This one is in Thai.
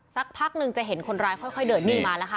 สักพักหนึ่งจะเห็นคนร้ายค่อยเดินนี่มาแล้วค่ะ